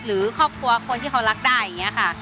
หรือครอบครัวคนที่เขารักได้อย่างนี้ค่ะ